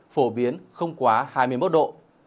phổ biến không quá hai mươi một độ